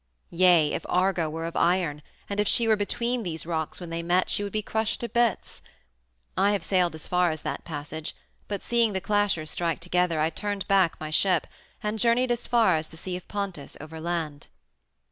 Yea, if Argo were of iron, and if she were between these rocks when they met, she would be crushed to bits. I have sailed as far as that passage, but seeing The Clashers strike together I turned back my ship, and journeyed as far as the Sea of Pontus overland.